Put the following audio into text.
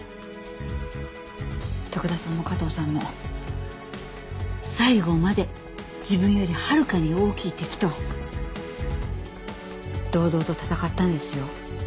徳田さんも加藤さんも最後まで自分よりはるかに大きい敵と堂々と戦ったんですよ。